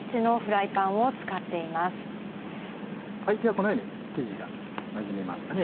このように生地がなじみましたね